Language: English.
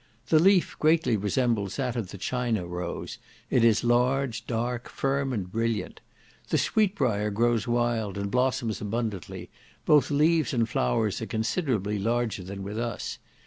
The leaf greatly resembles that of the china rose; it is large, dark, firm, and brilliant. The sweetbrier grows wild, and blossoms abundantly; both leaves and flowers are considerably larger than with us.